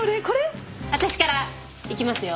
私からいきますよ。